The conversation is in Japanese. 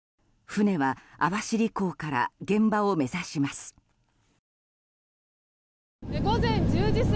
船は網走港から現場を目指します。